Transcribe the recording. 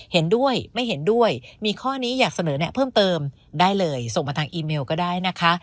เห็นด้วยไม่เห็นด้วยมีข้อนี้อยากเสนอแนะเพิ่มเติมได้เลยส่งมาทางอีเมลก็ได้นะคะ